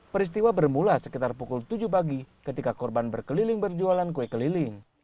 peristiwa bermula sekitar pukul tujuh pagi ketika korban berkeliling berjualan kue keliling